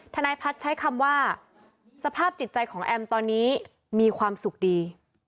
ทนายพัฒน์ใช้คำว่าสภาพจิตใจของแอมตอนนี้มีความสุขดี